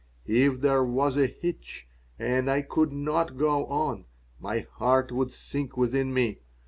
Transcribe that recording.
If there was a hitch, and I could not go on, my heart would sink within me.